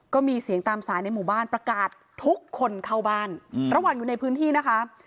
ก็มีเสียงตามสายในหมู่บ้านประกาศทุกคนเข้าบ้านระหว่างอยู่ในพื้นที่นะคะ